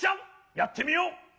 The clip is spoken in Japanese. やってみよう！